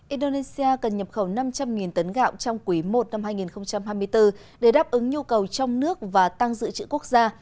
indonesia cần nhập khẩu năm trăm linh tấn gạo trong quý i năm hai nghìn hai mươi bốn để đáp ứng nhu cầu trong nước và tăng dự trữ quốc gia